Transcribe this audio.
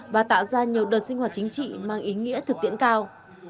và tạo ra nhiều đợt sinh hoạt chính trị mang ý nghĩa thực tiễn cao